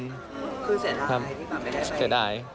คือเสียดาย